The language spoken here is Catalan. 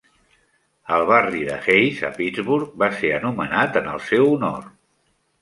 El barri de Hays, a Pittsburgh, va ser anomenat en el seu honor.